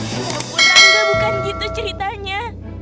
walaupun anda bukan gitu ceritanya